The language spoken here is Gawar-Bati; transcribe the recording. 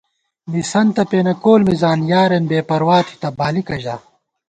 مِسَنتہ پېنہ کول مِزان یارېن بېپروا تھِتہ ، بالِکہ ژا